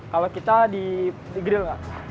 kalau kita di grill